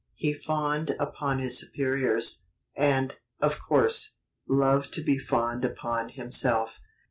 He fawned upon his superiors, and, of course, loved to be fawned upon himself....